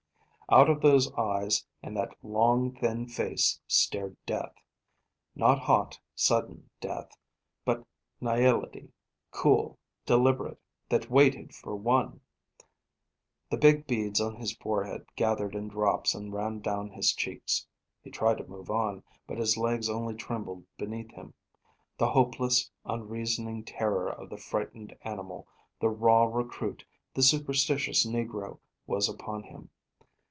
Out of those eyes and that long, thin face stared death; not hot, sudden death, but nihility, cool, deliberate, that waited for one! The big beads on his forehead gathered in drops and ran down his cheeks. He tried to move on, but his legs only trembled beneath him. The hopeless, unreasoning terror of the frightened animal, the raw recruit, the superstitious negro, was upon him.